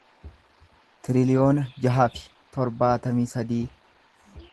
tiriliyoona jaha fi torbaatamii sadii